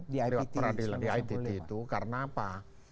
di ipt itu karena apa